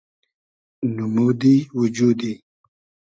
نومودی وجودی